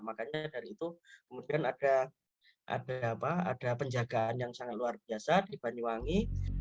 makanya dari itu kemudian ada penjagaan yang sangat luar biasa di banyuwangi